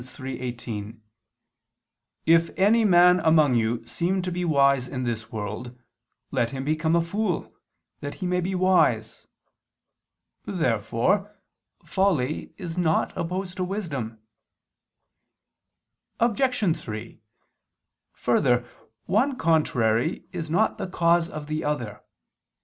3:18): "If any man among you seem to be wise in this world, let him become a fool, that he may be wise." Therefore folly is not opposed to wisdom. Obj. 3: Further, one contrary is not the cause of the other.